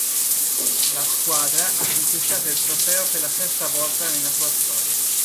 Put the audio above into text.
La squadra ha conquistato il trofeo per la sesta volta nella sua storia.